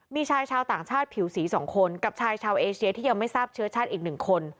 มีชายชาวต่างชาติผิวสี๒คนกับชายชาวเอเชียที่ยังไม่ทราบเชื้อชาติอีก๑คน